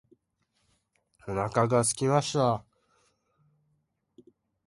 お腹がすきました